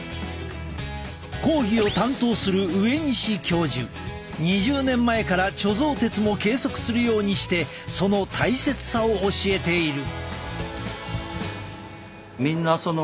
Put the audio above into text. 講義を担当する２０年前から貯蔵鉄も計測するようにしてその大切さを教えている。